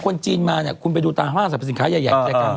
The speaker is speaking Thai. คนจีนมาเนี่ยคุณไปดูต่างห้างสถาประสิทธิ์ขายใหญ่